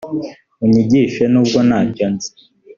unyigishe nubwo nta cyo nzi